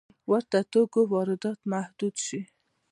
د ورته توکو واردات محدود شوي؟